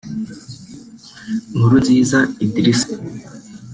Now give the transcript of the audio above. Nkurunziza Idrissa